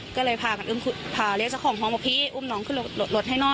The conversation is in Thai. ก็เลยพาเรียกเจ้าของของมาพี่อุ้มน้องขึ้นรถให้น่อย